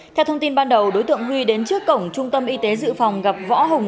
theo thông tin ban đầu đối tượng huy đến trước cổng trung tâm y tế dự phòng gặp võ hùng